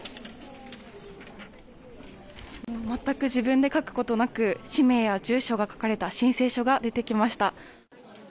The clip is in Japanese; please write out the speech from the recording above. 全く自分で書くことなく、氏名や住所が書かれた申請書が出てきました。